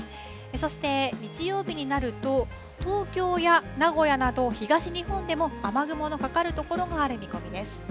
そして日曜日になると東京や名古屋など東日本でも雨雲のかかるところがある見込みです。